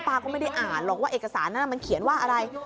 ก็ไม่ได้อ่านหรอกว่าเอกสารนั้นมันเขียนว่าอะไร